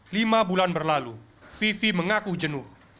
lima bulan berlalu vivi mengaku jenuh